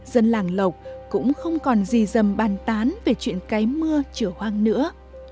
dân làng lộc cũng không còn gì dầm bàn tán về chuyện cái mưa trở hoang nữa